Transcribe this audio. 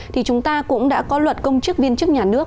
thì chúng ta cũng đã có luật công chức viên chức nhà nước